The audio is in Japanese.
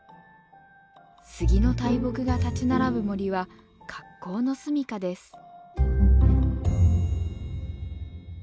スギの大木が立ち並ぶ森は格好のすみかです。